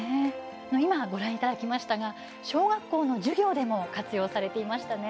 今、ご覧いただきましたが小学校の授業でも活用されていましたね。